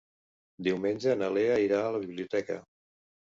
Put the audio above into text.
Diumenge na Lea irà a la biblioteca.